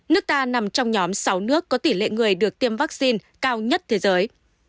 nước ta nằm trong nhóm sáu nước có tỷ lệ người được tiêm vaccine cao nhất thế giới